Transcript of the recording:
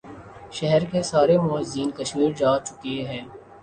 شہر کے سارے معززین کشمیر جا چکے ہیں